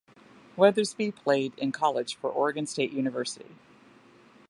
Weathersby played in college for Oregon State University.